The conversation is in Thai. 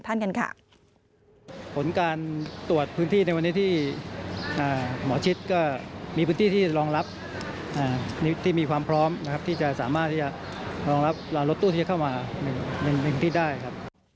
ที่ได้มีการจัดเตรียมเอาไว้ฟังเสียงท่านกันค่ะ